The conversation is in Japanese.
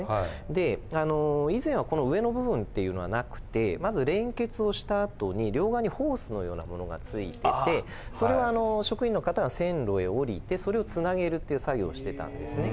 であの以前はこの上の部分っていうのはなくてまず連結をしたあとに両側にホースのようなものがついててそれをあの職員の方が線路へ降りてそれをつなげるっていう作業をしてたんですね。